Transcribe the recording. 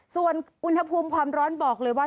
ส่วนอุณหภูมิความร้อนบอกเลยว่า